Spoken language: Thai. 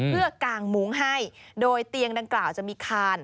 เพื่อกางมุ้งให้โดยเตียงดังกล่าวจะมีคาน